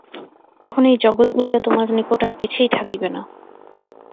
তখন এই জগৎ বলিয়া তোমার নিকট আর কিছুই থাকিবে না।